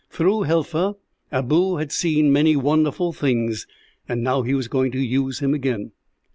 Through Helfa, Abou had seen many wonderful things, and now he was going to use him again.